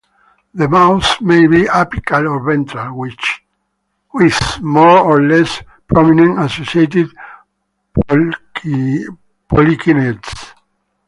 The mouth may be apical or ventral, with more or less prominent associated polykinetids.